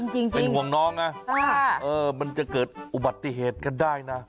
จริงเป็นห่วงน้องไงมันจะเกิดอุบัติเหตุกันได้นะ